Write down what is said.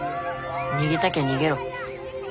逃げたきゃ逃げろ。